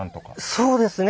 そうですね。